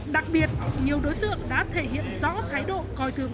đặc biệt nhiều đối tượng đã thể hiện rõ thái độ coi thường